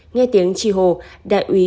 nghe tiếng chi hồ đại úy